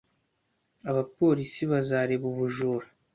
Abapolisi bazareba ubujura